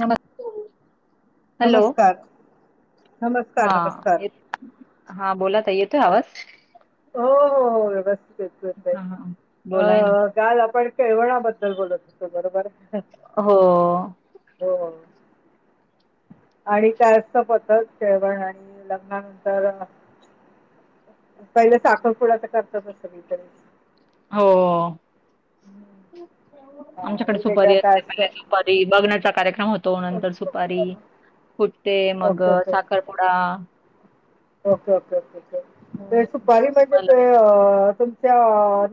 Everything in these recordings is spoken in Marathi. नम हॅलो नमस्कार नमस्कार हा नमस्कार हा बोला ताई येतोय आवाज हो हो हो व्यवस्थित य आहे हा हा. बोलाय अ काल आपण केळवणाबद्दल बोलत होतो बरोबर हो हो आणि काय असत पतच जेवण आणि लग्नानंतर पहिले साखरपुडा तर करतात असतं मर. हो आमच्याकडे आणि सुपारी वेगळं काय असते. असतं सुपारी बघण्याचा कार्यक्रम होतो नंतर सुपारी फुट्टे मग ओके ओके साखर. कडा. ओके ओके ओकेके हम्म. सुपारी म्हणजे मला ते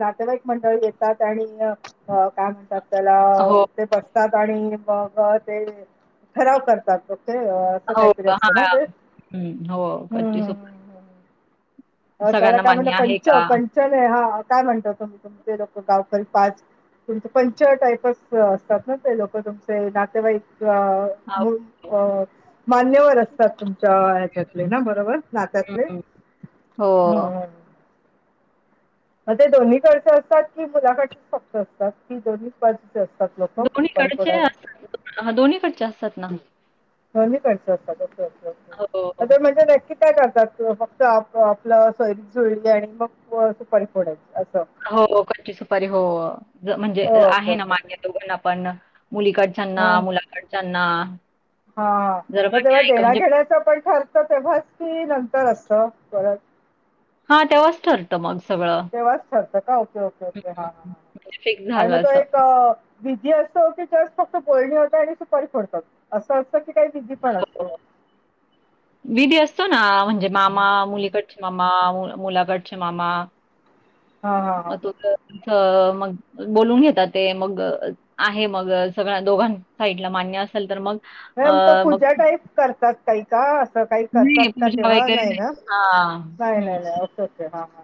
नातेवाईक मंडळ येतात आणि काय म्हणतात त्याला हो ते ब आणि मग ते ठराव करतात ओके असं हो काहीतरी हा असतं ना ते हम्म हो हं, कधी हं, सोप हं, हं. त्याला काय म्हणत मान्य आहे पंच का? पंचने हा काय म्हणत होतो मी तुमचे लक गावकरी पाच तुमचे पंच टाईपच असतात ना ते लोक तुमचे नातेवाईक हा, हो. मान्यवर असतात तुमच्या हच्यातले ना बरोबर नात्यातले हम्म हो हं, ग ते दोन्ही कडचे असतात कि मुलाकड फक्क्ष असतात की दोन्ही ज असतात लोक सुपारी दोन्हीकडचे पोडायला असतात. हा दोन्हीकडचे असतात ना दोण असतात ओके ओके हो. ओके म्हण जे काय करतात फक्त आपलं सैरीिक जुळली आणि मग सुपारीफोडे असं हो कची सुपारी हो म्हणजे ओके आहे ना ओके मान्य दोघण पण मुलीकड ह हा जर मग मान्य तेव्हा आहे का देण्या म्हणजे घेण्याचं पण ठर तेव्हाच की नंतर असत परत हा तेव्हाच ठरतं मग सगळं ठरत का ओके ओके हं, ओके ह ह म्हणजे फिक्स आणि मग झालं तो असं. एक विधी असतो की जास्त फक्त बोलणी होत आणि सुपारी फडतात असं असतं की काही विधी पण असतो हो. विधी असतो ना म्हणजे मामा मुलीकड मामा मुलाकड क्षमामा हां हां हां म मग बोलून घेतात ते मग आहे मग सगळ्या दोघां साईडला मान्य असेल तर मग मम तो अ, मग पूजा टाईप करतात काही का असं काही करतात नाही का पूजा तेव्हा वगैरे नाही ना हां. नाही हं, नाही नाही अस अस हा ह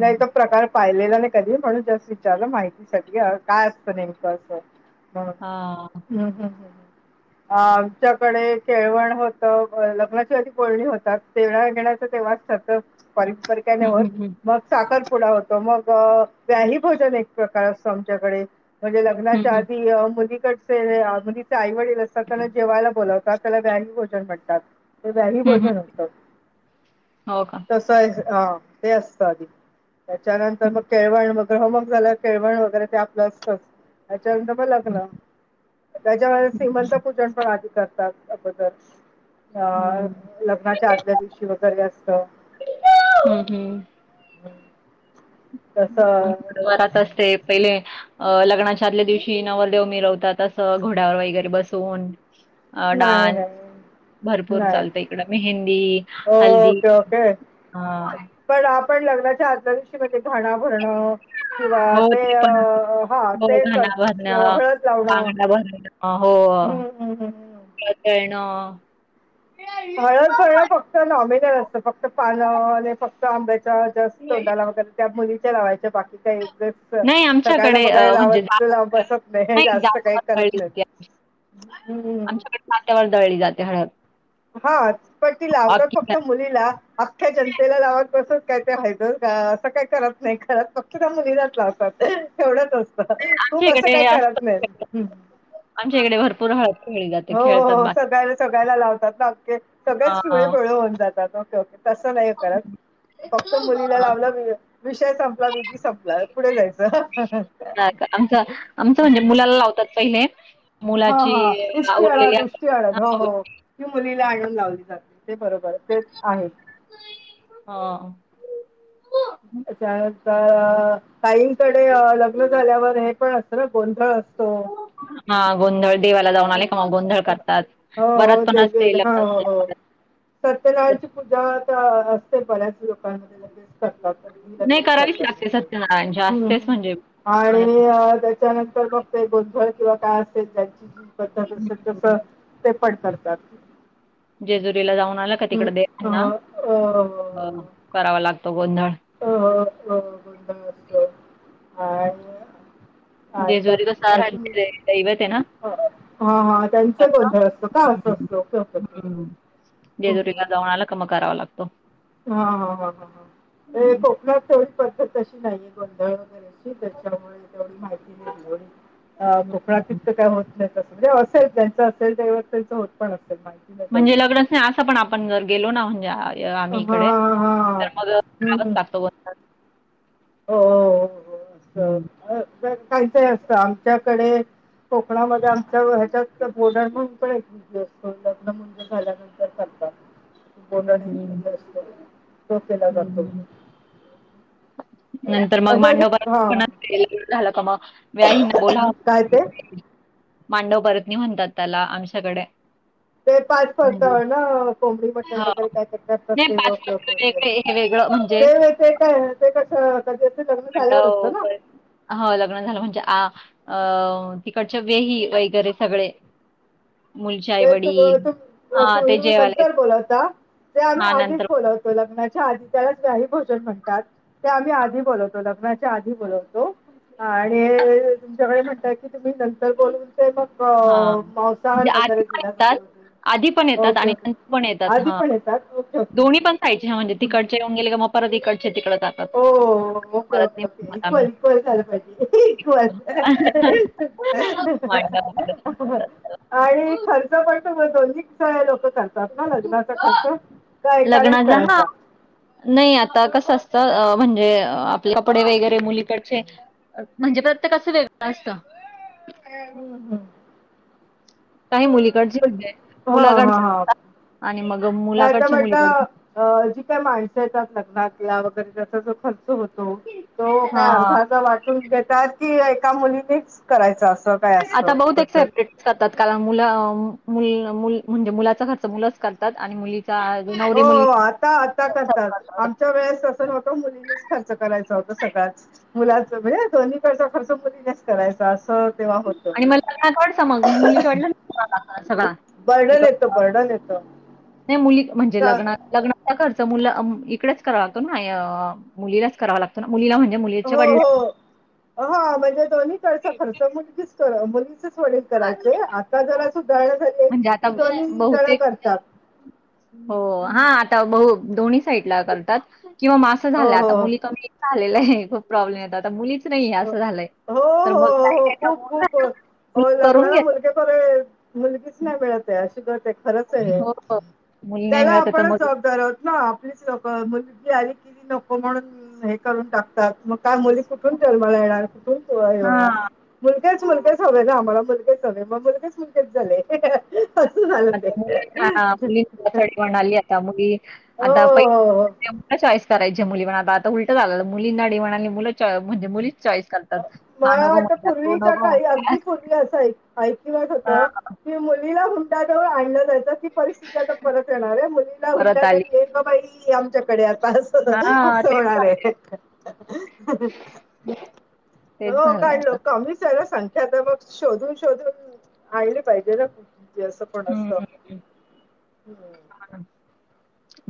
नाही तर प्रकार पाहिलेला नाही कधी म्हणून जास्त विचारलं माहितीसाठी काय असतं नेमकं असं ह हां. हम् हम् ह् आमच्याकडे केळवण होत लग्नाची आधी बोलणी होतात तेवढ घेण्याचा तेव्हा सन सुपारी पार काही हं, नाही हं, हं. होत साखरपुडा होतो मग व्याही भोजन एक प्रकार असत आमच्याकडे म्हणजे हं, लग्नाच्या हं. आधी मुलीकडचे मुलीचे आई वडील अस अस त्यांना जेवायला बोवतात त्याला व्याग भोजन म्हणतात व्याही हं, हं. भजन असतात हो का? तस ा ते असत आधी त्याच्यानंतर हं, मग केळवण मग म झा केळवण वगैरे ते आपलं असतं त्यानंतर हं. लग्न त्याच्यामुळे श्रीमंत पूजन पण आधी करतात अगोदर अ हं, लग्नाच्या आदल्या दिवशी वगैरे असत ह आच्याकडे वरात असते पहिले अ लग्नाच्या आदल्या दिवशी नवदेव मिरवतात असं घोड्यावर वगैरे बसवून अ नाही डान्स नाही भरपूर नाही चालत इकडं मेहंदी हल्दी ओके ओके ह पण आपण लग्नाच्या आल्या दिवशी म्हणजे घाणं भरणं किंवा हो ते पण असतं. हा हो ते कर घाणा भरणं, हळद लावणं बांगड्या हो हं, हं, हं, हं. ळ करळणं फक्त नॉमिनल असतं फक्त पानं आणि फक्त आंब्याच्या जस्ट तोंडाला वगैरे त्या मुलीच्या लावायच्या बाकी का नाही सगळना आमच्याकडे अ, वगैरे म्हणजे लावत लाव जात बसत नाही जास्त काही जात्यावर करत दळली नाही जाते. आमच्याकडे नाात्यावर दळली जाते हळद हा प्टी लावत अख्खी फक्त मु अखख्या जनतेला लावत बसत का ते ह असं काही करत नाही करत मुली जातला असतात एवढच असत आमच्या खूप असं काय इकडे करत असतात नाही आमच्या इकडे भरपूर हळद खेळली जाते. हो खेळतात हो बाकी सगला सगळयला लावतात ओ सगळेच पिवळे हां, पेळळे होऊन जातात ओके ओके तस नाही करत फक्त मुलीला हां. लावलं विषय संपला विधी संप का आमच आमचं म्हणजे मुलाला लावतात पहिले हां, मुलाची हां. उष्टी आवडले हळद, उष्टी हो हो ती मुलीला आणून लावली जाते ते बरोबर तेच आहे हा अचान तईंकडे लग्न झाल्यावर हे पण अस ज गोंधळ असतो हा गोंंदळ देवाला जाऊन अ, आले कि गोंधळ अ, करतात हो हो बरात पण असे ल सत्यनारायण ची पूजा आता असते बऱ्याच लोकांमध्ये लगे नाही करावीच लागते सत्यनारायणची ण असतेच म्हणजे आणि हं, त्या त्यानंतर मग ते गोंधळ किंवा काय असल जची जी पद्धत अस तस हं. ते पड करतात जेजुरीला जाऊन आलं का हम्म तिकड देवना अ अ करावा लागतो गोंधळ अ गुंधळ असतो आणि हा त्या जेजुरी का सारा अजून रहिवत आहे ना हा हा त्यांच त्याचा गंधळ असतो का असं असतोप जजोरीला जाऊनला क म करावा लागतो हा ह ह ह ते हं. कोकणातव पद्धतशी नाही गोंधळ वगैरेची त्याच्यामुळे तेवढी माहिती नाही दि हो अ कोकणात हं. तकं काय होत नाही तं म्हणजे असेल त्यांच असेल तेव त्यांच होत पण असेल माहि म्हणजे लग्च नाही असं पण आपण जर गेलो ना म्हणजे हा आम्ही हा इकडे हा तर मग हम्म, हम्म. लागतो हो हो हो हं. हो अस अ काहीच असतं आमच्याकडे कोकणामध्ये ह्याच्यात बोर्डर म्हण पण एक असतो लग्न म्हणजे झाल्यानंतर करचातात बोड हं, ये हं. जे असतो तो केला हं, जातो हं. नंतर मग असे मांडव असं प हा झालं का मग व्याही बोला काय ते मांडव परतनी म्हणतात त्याला आमच्याकडे ते पाच फत म्हणजे ना कोंबडी मटण हां. वगैरे काय नाही करतते ओके वाजता ओके ओे वेगळे हे वेगळं म्हणजे ते ते काय ते कस क लग्न चालेवर असतं ना ह लग्न झालं म्हणजे आ अ तिकडच्या वेही वगैरे सगळे मुलीचे ते त आई-वडील तु हां, ते तुम्ही जेवायला नंतर येतात बोलवता ते आम्ही हां, आधीच नंतर बोलवत लग्नाच्या आधी त्याला व्याही भोजन म्हणतात ते आम्ही आधी बोलवतो लग्नाच्या आधी बोलवतो आणि तुमच्याकडे म्हणत की तुम्ही न तर बोलून ते मग हां. मांसाहार म्हणजे आधी वगैरे पण दिला येतात, जातो आधी पण येतात ओके आणि ओके नंत पण येतात आधी हा पण येतात ओके ओके दोन्ही ओके पण खयचे ह म्हणजे तिकड ऊन गेले का मग परत त इकडचे तिकडे जात ओ okay okay okay equal equal झालं पाहिजे इक्व मांडवावर म्हणतात. आणि खर्च पणतो म दोन्ही कसा लोकत लग्नाचा खर्च तर एकालाच लग्नाचा हां, करायचा नाही आता कसं असतं म्हणजे कपडे वगैरे मुलीकडचे म्हणजे प्रत्येकाच वेगळं असत हम् हम काही मुलीकडचे म्हणज पण- हा मुलाकडच हा हा आणि मग मुलाकडच्या मुलीकड अ जी काय माणसं येतात लग्नातला वगैरे त्याचा जो खर्च होतो तो काय हां. अर्धध वाटून घेतात की एका मुलीनीच करायचं असं काय आता असतं बहुत पद्धत एक्सायटेड करतात कारण मु म्हणजे मुलाचा खर्च मुलंच करतात आणि मुलीचा हो नवरी मुलगी आता आता करतात आमच्या वेळेस मुलीनीच खर्च करायचा होत सकाळ मुलाच म्हणजे द चा खर्चट करायचा असं तेव्हा होतं आणि मला सड स मग मुलीच्या वाटलं सगळा इकड वर्डन येतं नाही मुली म्हणजे का? लग् लग् खर्च मुलं इकडेच करावा लागतो ना मुलीलाच करावा लागतो मुलीला म्हणे मुली हो हो हा म्हणजे दोन्ही तडचा खर्च दिस मुलीचच वडील आ, करायचंय आता जरा सुधारणा झाली म्हणजे आता की दोन्ही जण बहुतेक करतात हो हा आता ब दोन्ही साईडला करतात किंवा मासं हो झालं हो आता मुली कमी झालेला आहे खूप प्रॉब्लेम येत आता मुलीच नाही हो अस झालंय हो तर मग हो खूप खूप हो का लग्नाला मुलगे मुलगीच नाही मिळत अशी करते खच हो, हो. मुली नाही त्याला मिळत आता आपणच मग जबाबदार आहत ना आपलीच नक मुलगी आली किली नको म्हणून हे करून टाकतात मग काय मुली कुठून जलवाला येणार तु येवणार हां. मुलग्याच मुलग्याच हवे ना मला मुलगाच झालेय मला मुलगेच मुलगेच झाले असं झालं म ते मु मुलींवण आली आता मुली हो आता हो पहि चॉईस करायचे मुली म्हणा आतालटं झा आलं मुलींनाडी म्हणाली मु म्हणजे मुलीच चॉईस करतात. हा मला नको वाटत म्हणतात, तू पूर्वीच्या नको काही म्हणतात अगदी पूर्वी असं ऐकिवच हां, होत मुलीला हुंटाजवळ आणलं जायचं परिस्थिती परत येणार आहे मुलीला परत आली. हुंड्यारी बाबा आमच्याकडे आता हां, असं तेच होणार आहे झालंय. ब हो काढलं काम दिसायला सांग ता मग शोधून शोधून आणले पाहिजे ना अस कोण असत हं.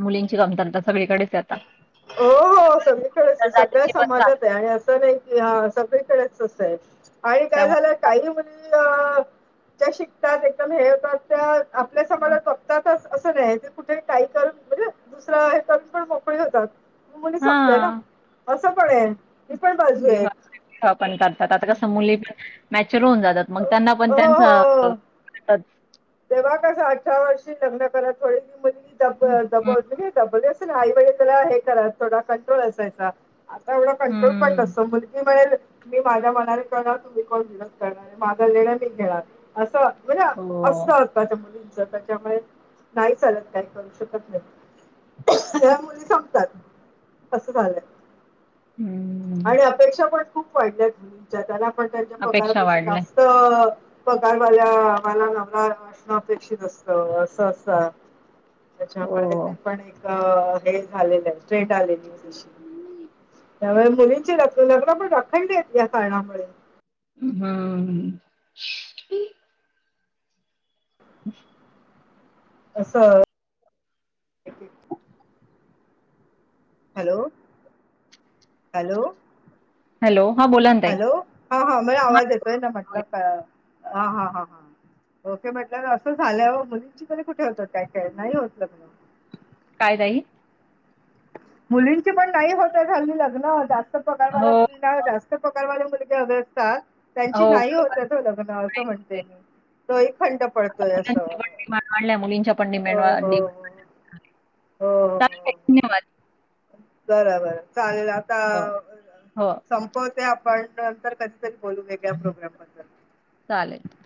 मुलींची कमतरता सगळीकडेच येत हो हो सगळीकडे सगळ्या पण समाजात चालते. आहे आणि असं नाही क हा सगळीकडेच असं आहे आणि काय त्यामुळे झालं काही मुली ज्या शिकतात एकदम हे होतात त्या आपल्या मग समाजातपतातच असं नाही ते कुठे काही करून म्हणजे दुसरा हे करून पण मोकळी होतात मी मुली संपलंय ना हां, असं पण आहे ती पण बाजू विवाह एक पण करतात आता का समली पण मॅचर होऊन जातात मग त्यांना पण हो त्यांचं हो तेव्हा कसं अठरा वर्षी लग्न करा थोडे हं, मुलग दबब हं. म्हणजे ब ना आई वेळी तला हे करा थोडा कंट्रोल असायचा आता एवढं कंट्रोल पण हम्म. नसतं मुलगी म्हळे मी माझ्या मनाने कणार तुम्ही कोण विनत करणार माझा र्ण मी घेणार असं म्हणजे हो स् मुलीच त्याच्यामुळे नाही चालत काही करू शकत नाही ह मुली सांगतात असं झालंय हम्म आणि अपेक्षा पण खूप वाढल्या ज त्यांना पण त्यांच्या अपेक्षा पगारापेक्षा वाढल्या. जास्त तर बघार माला मला मा अपेक्षित असत अस अस त्याच्यामुळे हो. पण एक झालं आहे टेट आलेली त्या मुलींची ल लग्न पण रखं देत या कारणामुळे हा ह असं हॅलो हॅलो हॅलो हा बोला हॅलो हा हा म हां. आवाज येतोय ना म्हटलं हा हा हा हां ओके म्हट असं झाल्यावर मुलींची क कुठे होतात काय खेळ नाही होत काय तई मुलींची पण नाही होत झाली लग्न जास्त हो, पगारवाल्या मुलीं जास्त प्रकारवाले मुलगे हवे असतात त्यांची नाही हो त्याच लग्न असं म्हणते आहे. मी तोही खंड पडतोय असं मुलांच्या पण डिमांड वाढल्या, मुलींच्या पण अ डिमांड वाढली. हो धन्यवाद बर बरं चालेल आता हो, हो. संपवते आपण नंतर कधीतरी बोलू घे प्रोग्राम बद्दल चालेलल